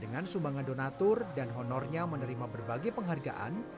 dengan sumbangan donatur dan honornya menerima berbagai penghargaan